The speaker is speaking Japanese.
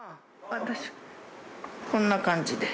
こんな感じで。